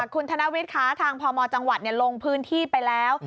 คุณธนวิทย์คะทางพมจังหวัดลงพื้นที่ไปแล้ว